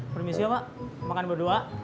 permisi pak makan berdua